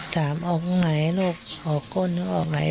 ถามออกไหนลูกออกก้นออกไหน